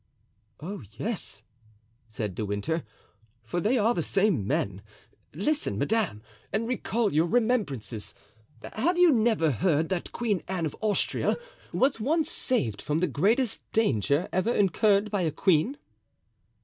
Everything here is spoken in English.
"Oh, yes," said De Winter, "for they are the same men. Listen, madame, and recall your remembrances. Have you never heard that Queen Anne of Austria was once saved from the greatest danger ever incurred by a queen?"